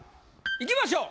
いきましょう。